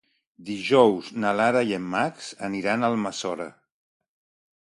Dijous na Lara i en Max aniran a Almassora.